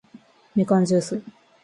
みかんじゅーす